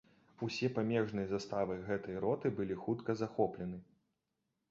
Усе памежныя заставы гэтай роты былі хутка захоплены.